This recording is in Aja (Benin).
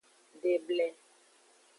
Deble.